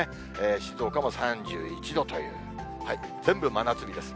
静岡も３１度という、全部、真夏日です。